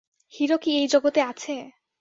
Hero কি এই জগতে আছে?